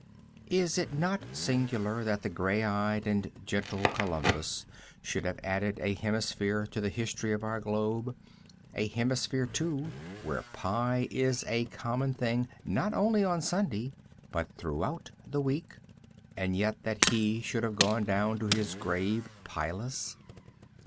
Is it not singular that the gray eyed and gentle Columbus should have added a hemisphere to the history of our globe, a hemisphere, too, where pie is a common thing, not only on Sunday, but throughout the week, and yet that he should have gone down to his grave pieless!